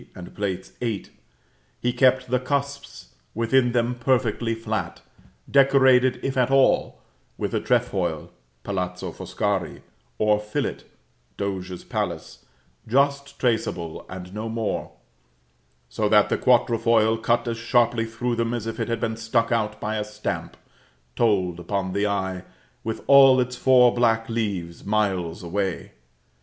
and VIII., he kept the cusps within them perfectly flat, decorated, if at all, with a trefoil (Palazzo Foscari), or fillet (Doge's Palace) just traceable and no more, so that the quatrefoil, cut as sharply through them as if it had been struck out by a stamp, told upon the eye, with all its four black leaves, miles away.